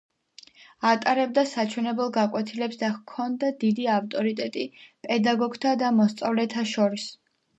ატარებდა საჩვენებელ გაკვეთილებს და ჰქონდა დიდი ავტორიტეტი პედაგოგთა და მოსწავლეთა შორის.